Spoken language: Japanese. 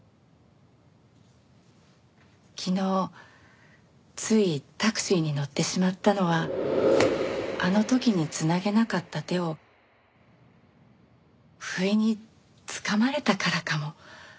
昨日ついタクシーに乗ってしまったのはあの時に繋げなかった手をふいにつかまれたからかも。